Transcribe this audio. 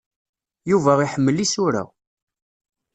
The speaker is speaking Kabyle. Yuba iḥemmel isura.